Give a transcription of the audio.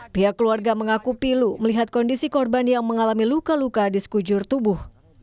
pihak keluarga mengaku pilu melihat kondisi korban yang mengalami luka luka di sekujur tubuh